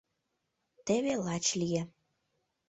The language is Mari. — Теве лач лие.